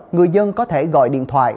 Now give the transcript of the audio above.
người dân có thể gọi điện thoại